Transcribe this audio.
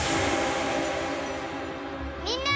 みんな！